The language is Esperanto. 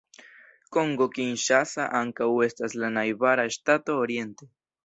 Kongo Kinŝasa ankaŭ estas la najbara ŝtato oriente.